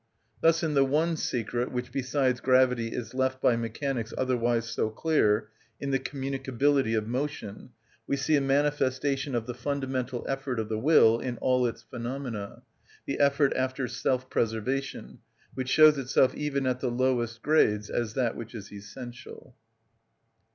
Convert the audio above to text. Thus in the one secret which (besides gravity) is left by mechanics otherwise so clear, in the communicability of motion, we see a manifestation of the fundamental effort of the will in all its phenomena, the effort after self‐ preservation, which shows itself even at the lowest grades as that which is essential.